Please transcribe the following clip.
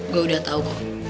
gue udah tau